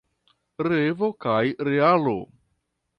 Revo kaj realo.